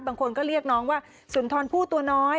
บางคนก็เรียกน้องว่าสุนทรผู้ตัวน้อย